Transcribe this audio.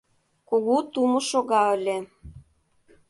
Кугу тумо шога ыле.